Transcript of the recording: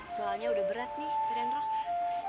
soalnya udah berat nih ferenroh